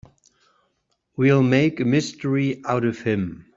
We'll make a mystery out of him.